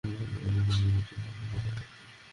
যারা নিরোধের ট্রাক লুটছে।